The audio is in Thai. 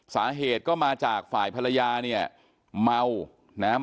สาเหตุก็มาจากฝ่ายภรรยาเนี่ยเมานะครับ